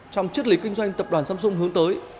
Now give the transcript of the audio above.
trong triết lý kinh doanh tập đoàn samsung hướng tới